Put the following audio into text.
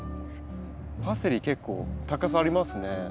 パセリ結構高さありますね。